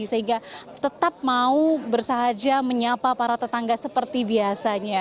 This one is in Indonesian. sehingga tetap mau bersahaja menyapa para tetangga seperti biasanya